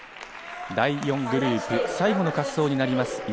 第４グループ、最後の滑走になります。